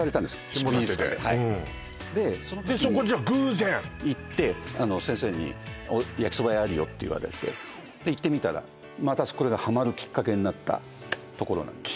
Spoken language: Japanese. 下館で美術館ではいでその時にでそこじゃあ偶然行って先生に焼きそば屋あるよって言われて行ってみたらまたこれがハマるきっかけになった所なんです